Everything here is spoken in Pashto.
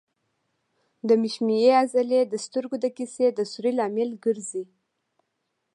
د مشیمیې عضلې د سترګو د کسي د سوري لامل ګرځي.